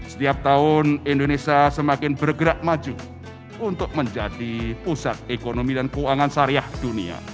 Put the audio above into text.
setiap tahun indonesia semakin bergerak maju untuk menjadi pusat ekonomi dan keuangan syariah dunia